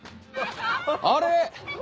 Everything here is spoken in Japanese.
あれ？